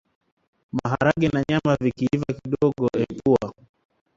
Maharage na nyama vikiiva kidogo ipua